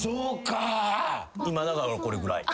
今だからこれぐらい。